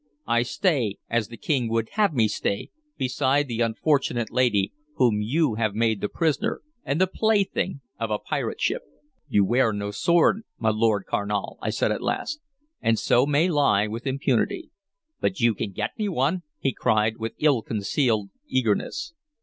I stay, as the King would have me stay, beside the unfortunate lady whom you have made the prisoner and the plaything of a pirate ship." "You wear no sword, my Lord Carnal," I said at last, "and so may lie with impunity." "But you can get me one!" he cried, with ill concealed eagerness.